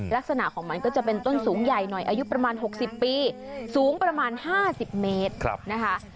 ลักษณะของมันก็จะเป็นต้นสูงใหญ่หน่อยอายุประมาณ๖๐ปีสูงประมาณ๕๐เมตรนะคะ